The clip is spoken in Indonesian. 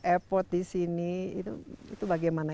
effort di sini itu bagaimana